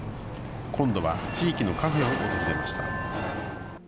今度は地域のカフェを訪れました。